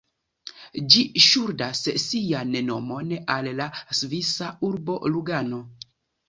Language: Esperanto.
Ĝi ŝuldas sian nomon al la svisa urbo Lugano.